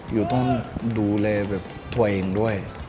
อยู่ต้องดูแลแบบตัวเองด้วย